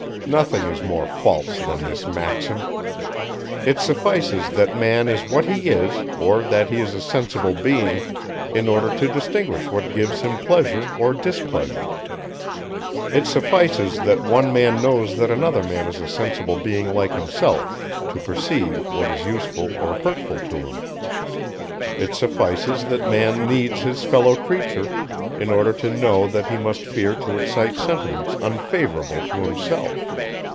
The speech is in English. Nothing is more false than this maxim. It suffices that man is what he is, or that he is a sensible being, in order to distinguish what gives him pleasure or displeasure. It suffices that one man knows that another man is a sensible being like himself, to perceive what is useful or hurtful to him. It suffices that man needs his fellow creature, in order to know that he must fear to excite sentiments unfavourable to himself.